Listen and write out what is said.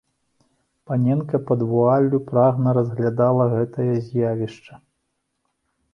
Паненка пад вуаллю прагна разглядала гэтае з'явішча.